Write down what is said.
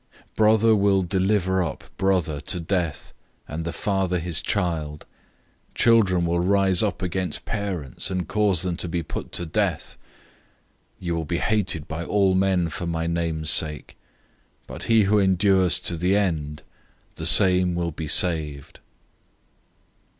013:012 "Brother will deliver up brother to death, and the father his child. Children will rise up against parents, and cause them to be put to death. 013:013 You will be hated by all men for my name's sake, but he who endures to the end, the same will be saved.